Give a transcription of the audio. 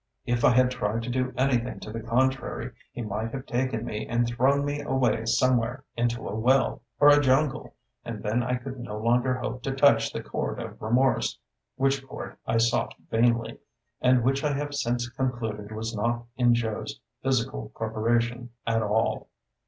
If I had tried to do anything to the contrary, he might have taken me and thrown me away somewhere into a well, or a jungle, and then I could no longer hope to touch the chord of remorse, which chord I sought vainly, and which I have since concluded was not in Joe's physical corporation at all.